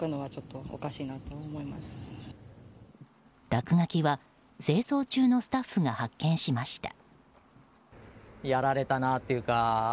落書きは、清掃中のスタッフが発見しました。